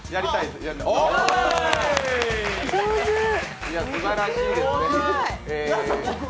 すばらしいですね。